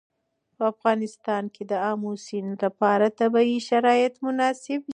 په افغانستان کې د آمو سیند لپاره طبیعي شرایط مناسب دي.